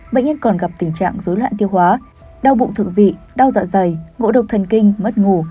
bệnh nhân còn gặp tình trạng dối loạn tiêu hóa đau bụng thượng vị đau dạ dày ngộ độc thần kinh mất ngủ